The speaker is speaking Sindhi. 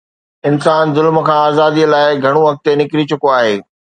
انسان ظلم کان آزاديءَ لاءِ گهڻو اڳتي نڪري چڪو آهي.